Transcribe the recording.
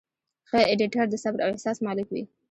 ښه ایډیټر د صبر او احساس مالک وي.